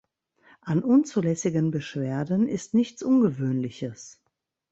An unzulässigen Beschwerden ist nichts Ungewöhnliches.